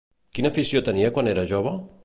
Quina afició tenia quan era jove?